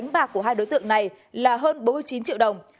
bạc của hai đối tượng này là hơn bốn mươi chín triệu đồng